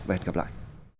và hẹn gặp lại